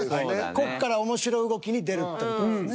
こっから面白動きに出るって事ですね。